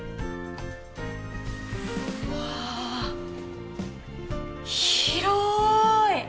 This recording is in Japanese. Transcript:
うわあ広い！